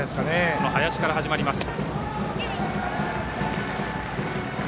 その林から始まります。